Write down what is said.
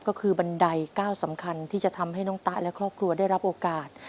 ก็คือบันไดก้าวสำคัญที่จะทำให้น้องตะและครอบครัวได้รับโอกาส